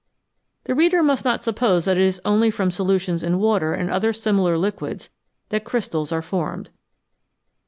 The reader must not suppose that it is only from solutions in water and other similar liquids that crystals are formed.